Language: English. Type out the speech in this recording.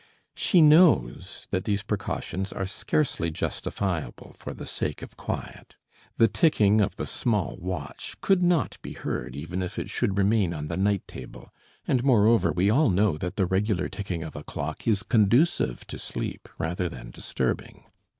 She knows that these precautions are scarcely justifiable for the sake of quiet; the ticking of the small watch could not be heard even if it should remain on the night table, and moreover we all know that the regular ticking of a clock is conducive to sleep rather than disturbing.